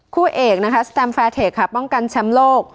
คู่เอกนะคะสแตมแฟร์เทคค่ะป้องกันแชมป์โลก